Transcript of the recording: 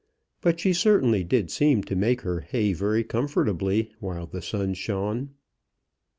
But she certainly did seem to make her hay very comfortably while the sun shone.